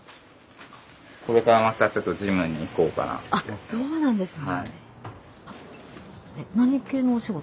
あっそうなんですね。